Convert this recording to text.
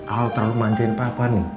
awal terlalu mantaikan papa nih